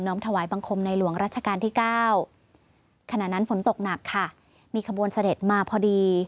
ถวายบังคมในหลวงรัชกาลที่เก้าขณะนั้นฝนตกหนักค่ะมีขบวนเสด็จมาพอดี